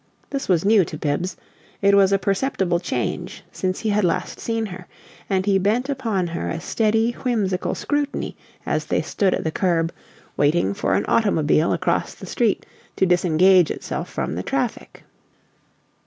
This was new to Bibbs; it was a perceptible change since he had last seen her, and he bent upon her a steady, whimsical scrutiny as they stood at the curb, waiting for an automobile across the street to disengage itself from the traffic.